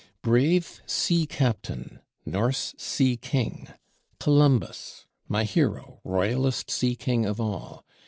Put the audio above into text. Brave Sea captain, Norse Sea king, Columbus, my hero, royalest Sea king of all!